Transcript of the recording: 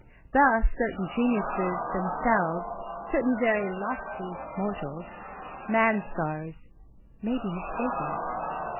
Thus certain geniuses, themselves, certain Very Lofty mortals, man stars, may be mistaken?